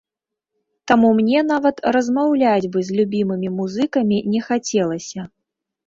Таму мне нават размаўляць бы з любімымі музыкамі не хацелася.